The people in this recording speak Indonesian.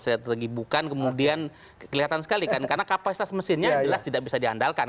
saya tergibukan kemudian kelihatan sekali kan karena kapasitas mesinnya jelas tidak bisa diandalkan